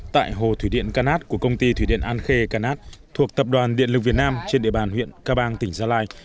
tại hồ thủy điện canát của công ty thủy điện an khê canát thuộc tập đoàn điện lực việt nam trên địa bàn huyện ca bang tỉnh gia lai